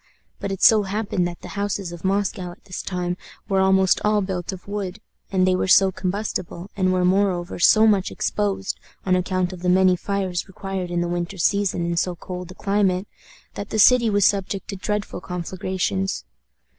But it so happened that the houses of Moscow at this time were almost all built of wood, and they were so combustible, and were, moreover, so much exposed, on account of the many fires required in the winter season in so cold a climate, that the city was subject to dreadful conflagrations.